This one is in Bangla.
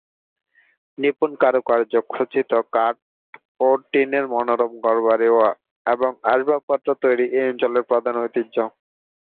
নিপুণ কারুকার্য খচিত কাঠ ও টিনের মনোরম ঘরবাড়ি এবং আসবাবপত্র তৈরি এ অঞ্চলের প্রধান ঐতিহ্য।